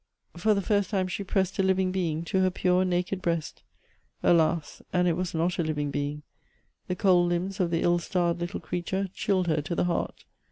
For the first time she pressed a living being to her pure, naked breast. Alas ! and it was not a living being. The cold limbs of the ill starred little creature chilled her to the heart.